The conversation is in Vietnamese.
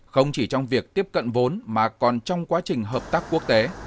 không chỉ trong việc tiếp cận vốn mà còn trong quá trình hợp tác quốc tế